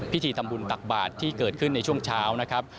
พิธีทำบุญตักบาทที่เกิดขึ้นในช่วงเช้านะครับ